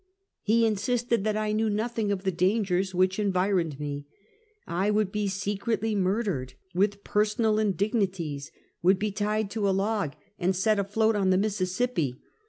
He insisted tbat I knew notbing of tbe dangers wbicb environed me; I would be secretly murdered, witb personal indignities; would be tied to a log and set 184 Half a Centuey. afloat on the Mississippi.